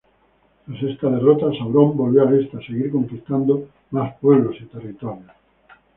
Tras esta derrota Sauron volvió al Este a seguir conquistando más pueblos y territorios.